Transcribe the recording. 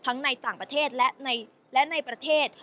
ในต่างประเทศและในประเทศ